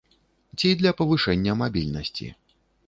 Ці для павышэння мабільнасці.